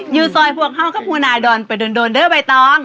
อยู่ซอยพวกเขาก็ภูนายดอนไปโดนเด้อใบตอง